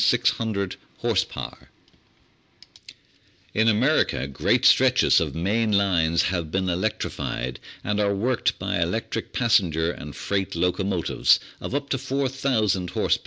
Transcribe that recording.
808 The Outline of Science In America great stretches of main lines have been elec trified and are worked by electric passenger and freight locomo tives, of up to 4,000 horse power.